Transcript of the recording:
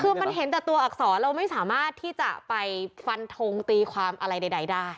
คือมันเห็นแต่ตัวอักษรเราไม่สามารถที่จะไปฟันทงตีความอะไรใดได้